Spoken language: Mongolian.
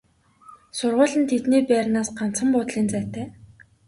Сургууль нь тэдний байрнаас ганцхан буудлын зайтай.